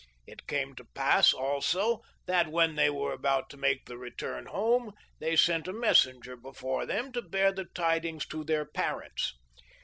It came to pass also that when they were about to make the return home they sent a messen ger before them to bear the tidings to their parents.